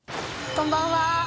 こんばんは。